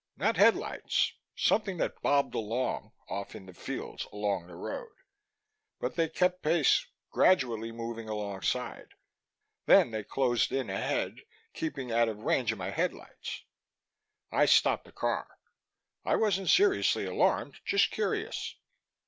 Not headlights something that bobbed along, off in the fields along the road. But they kept pace, gradually moving alongside. Then they closed in ahead, keeping out of range of my headlights. I stopped the car. I wasn't seriously alarmed, just curious.